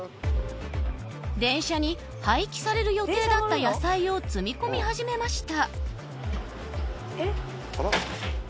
電車に廃棄される予定だった野菜を積み込み始めました